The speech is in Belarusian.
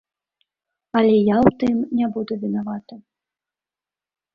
Але я ў тым не буду вінаваты.